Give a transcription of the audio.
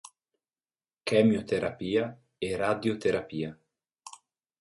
Chemioterapia e radioterapia.